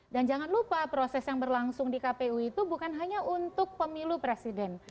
dan jangan lupa proses yang berlangsung di kpu itu bukan hanya untuk pemilu presiden